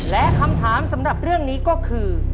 และคำถามสำหรับเรื่องนี้ก็คือ